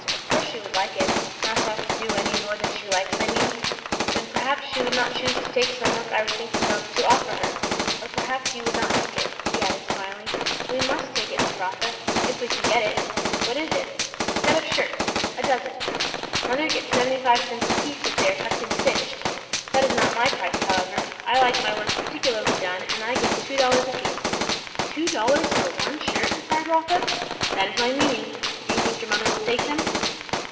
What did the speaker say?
Of course she would like it. Not to have to do any more than she likes, I mean." "Then perhaps she would not choose to take some work I was thinking to offer her. Or perhaps you would not take it?" he added smiling. "We must take it," said Rotha, "if we can get it. What is it?" "A set of shirts. A dozen." "Mother gets seventy five cents a piece, if they are tucked and stitched." "That is not my price, however. I like my work particularly done, and I give two dollars a piece." "Two dollars for one shirt?" inquired Rotha. "That is my meaning. Do you think your mother will take them?"